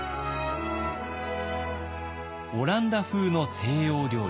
オランダ風の西洋料理。